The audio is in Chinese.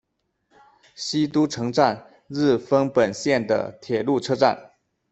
西都城站日丰本线的铁路车站。